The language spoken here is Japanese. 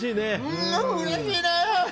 うん、うれしいね！